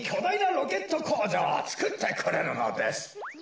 ロケットこうじょうをつくってくれるのです。